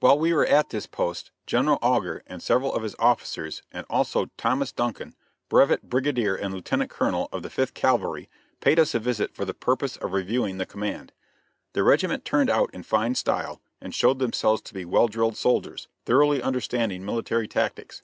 While we were at this post General Augur and several of his officers, and also Thomas Duncan, Brevet Brigadier and Lieutenant Colonel of the Fifth Cavalry, paid us a visit for the purpose of reviewing the command. The regiment turned out in fine style and showed themselves to be well drilled soldiers, thoroughly understanding military tactics.